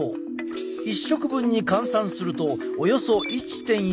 １食分に換算するとおよそ１．４ｇ。